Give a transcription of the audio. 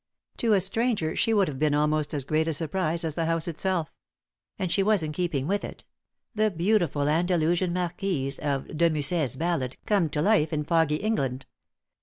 To a stranger she would have been almost a great a surprise as the house itself. And she was in keeping with it the beautiful Andalusian Marquise of de Musset's ballad come to life in foggy England.